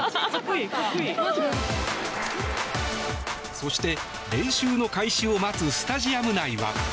そして、練習の開始を待つスタジアム内は。